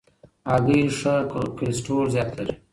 هګۍ ښه کلسترول زیات لري.